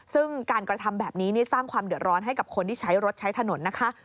ซึ่งการกระทำแบบนี้สร้างความเดือดร้อนให้กับคนที่ใช้รถใช้ถนนนะคะ